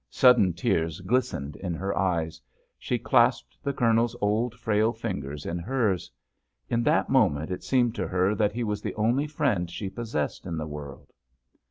Sudden tears glistened in her eyes. She clasped the Colonel's old, frail fingers in hers. In that moment it seemed to her that he was the only friend she possessed in the world.